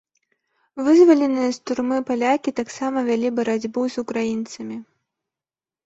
Вызваленыя з турмы палякі таксама вялі барацьбу з украінцамі.